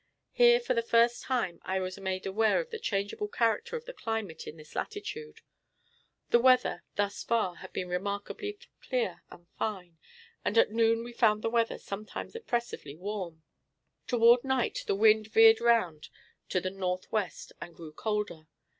Here for the first time I was made aware of the changeable character of the climate in this latitude. The weather, thus far, had been remarkably clear and fine, and at noon we found the weather sometimes oppressively warm. Toward night the wind veered around to the northwest, and grew colder.